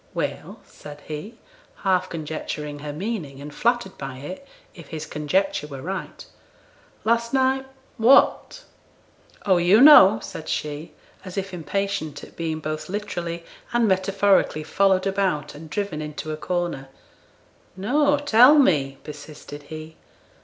'Well!' said he, half conjecturing her meaning, and flattered by it, if his conjecture were right. 'Last night what?' 'Oh, yo' know!' said she, as if impatient at being both literally and metaphorically followed about, and driven into a corner. 'No; tell me,' persisted he.